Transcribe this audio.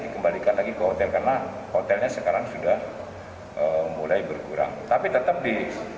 dikembalikan lagi ke hotel karena hotelnya sekarang sudah mulai berkurang tapi tetap di